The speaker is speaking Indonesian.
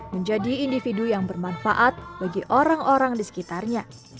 menjadi individu yang bermanfaat bagi orang orang di sekitarnya